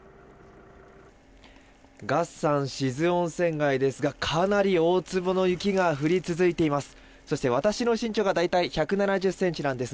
志津温泉街ですがかなり大粒の雪が降っています。